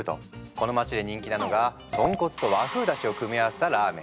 この街で人気なのが豚骨と和風だしを組み合わせたラーメン。